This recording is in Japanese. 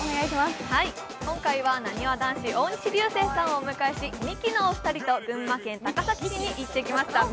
今回は、なにわ男子・大西流星さんをお迎えし、ミキのお二人と群馬県・高崎に行ってきました。